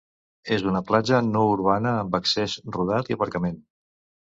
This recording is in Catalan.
És una platja no urbana amb accés rodat i aparcament.